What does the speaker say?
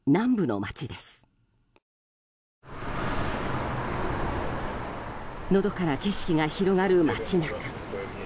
のどかな景色が広がる街中。